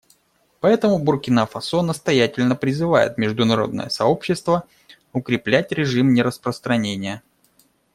Поэтому Буркина-Фасо настоятельно призывает международное сообщество укреплять режим нераспространения.